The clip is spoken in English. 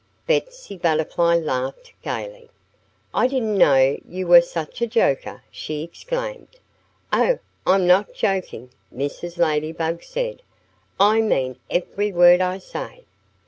Betsy Butterfly laughed gaily. "I didn't know you were such a joker!" she exclaimed. "Oh, I'm not joking," Mrs. Ladybug said. "I mean every word I say."